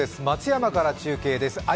松山から中継です。